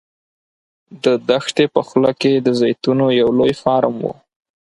د دې دښتې په خوله کې د زیتونو یو لوی فارم و.